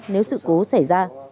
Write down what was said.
nếu sự cố xảy ra